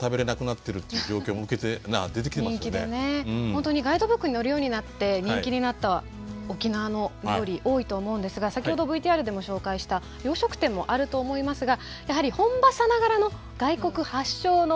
本当にガイドブックに載るようになって人気になった沖縄の料理多いと思うんですが先ほどＶＴＲでも紹介した洋食店もあると思いますがやはり本場さながらの外国発祥の食べ物もその一つだと思います。